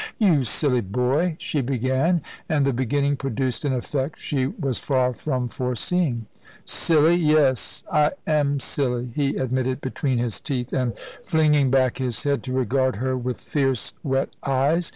"You silly boy," she began, and the beginning produced an effect she was far from foreseeing. "Silly! Yes, I am silly," he admitted between his teeth, and flinging back his head to regard her with fierce, wet eyes.